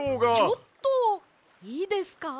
ちょっといいですか？